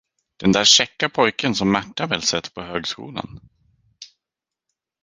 Den där käcka pojken som Märta väl sett på högskolan?